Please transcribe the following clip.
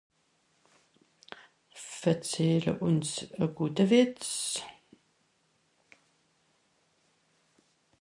verzähle ùns a gute Wìtz